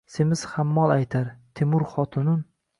Semiz hammol aytar: “Temur xotinin